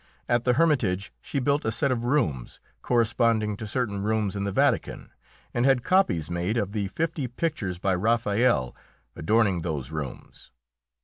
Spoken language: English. At the Hermitage she built a set of rooms corresponding to certain rooms in the Vatican, and had copies made of the fifty pictures by Raphael adorning those rooms.